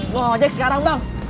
mau ngajak sekarang bang